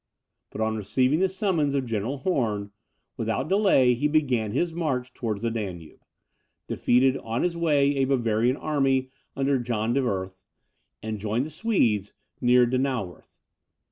But on receiving the summons of General Horn, without delay he began his march towards the Danube, defeated on his way a Bavarian army under John de Werth, and joined the Swedes near Donauwerth.